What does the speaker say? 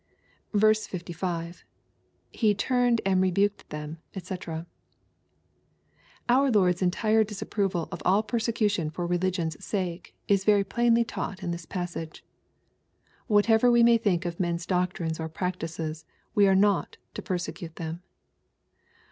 $5. — [He fwmed and rebuked them, cfcc] Our Lord's entire disap proval of all persecution for religion's sake is very plainly taught in this passage. Whatever we may think of men's doctrines or prac tices, we are not to persecute them.